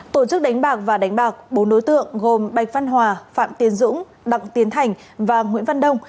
tổ chức đánh bạc và đánh bạc bốn đối tượng gồm bạch văn hòa phạm tiến dũng đặng tiến thành và nguyễn văn đông